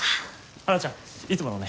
花ちゃんいつものね。